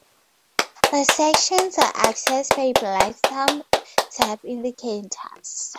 The sections are accessed by black thumb tab indicators.